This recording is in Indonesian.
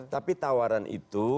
tapi tawaran itu